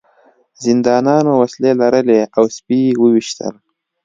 زندانیانو وسلې لرلې او سپي یې وویشتل